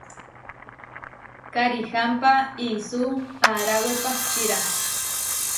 Karihámpa isú aaráwe pahčíra.